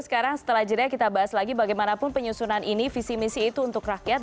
sekarang setelah jeda kita bahas lagi bagaimanapun penyusunan ini visi misi itu untuk rakyat